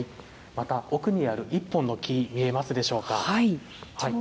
また、奥にある一本の木、見えますでしょうか。